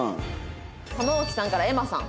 玉置さんから瑛茉さん。